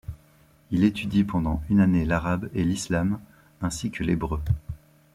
Il étudie pendant une année l'arabe et l'Islam, ainsi que l'hébreu.